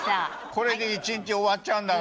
これで一日終わっちゃうんだから。